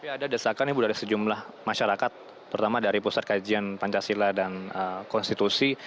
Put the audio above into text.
ada desakan ibu dari sejumlah masyarakat terutama dari pusat kajian pancasila dan konstitusi